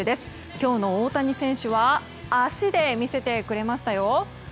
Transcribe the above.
今日の大谷選手は足で魅せてくれましたよ。